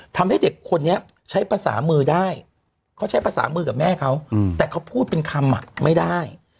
ทำให้เด็กคนนี้ใช้ภาษามือได้เขาใช้ภาษามือกับแม่เขาแต่เขาพูดเป็นคำไม่ได้